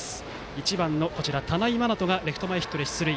１番、田内真翔がレフト前ヒットで出塁。